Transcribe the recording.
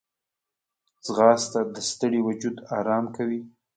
ځغاسته د ستړي وجود آرام کوي